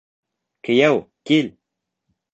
Кейәү, кил!